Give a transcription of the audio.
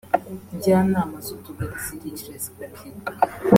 njyanama z’utugari ziricira zikabyigaho